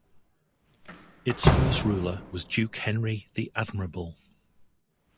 Its first ruler was Duke Henry the Admirable.